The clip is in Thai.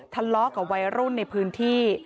ทะเลาะกับวัยรุ่นในพื้นที่